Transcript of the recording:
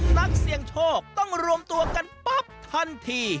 นักเสี่ยงโชคต้องรวมตัวกันปั๊บทันที